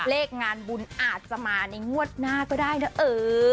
เลขงานบุญอาจจะมาในงวดหน้าก็ได้นะเออ